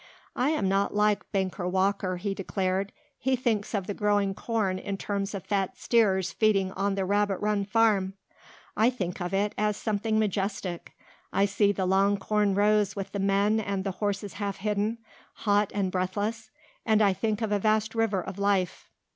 "I am not like banker Walker," he declared. "He thinks of the growing corn in terms of fat steers feeding on the Rabbit Run farm; I think of it as something majestic. I see the long corn rows with the men and the horses half hidden, hot and breathless, and I think of a vast river of life.